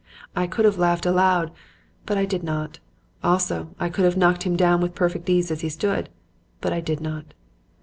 I could have laughed aloud, but I did not. Also, I could have knocked him down with perfect ease as he stood, but I did not.